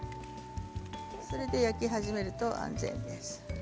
それで焼き始めると安全です。